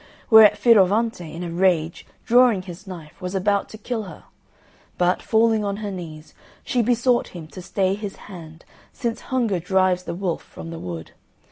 Whereat, Fioravante in a rage, drawing his knife, was about to kill her, but, falling on her knees, she besought him to stay his hand, since hunger drives the wolf from the wood.